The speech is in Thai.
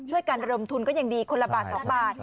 ช่วยการระดำทุนก็ดีขนาดคนล่ะบาท๒บาท